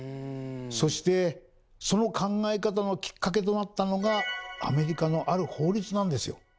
そしてその考え方のキッカケとなったのがアメリカのある法律なんですよ。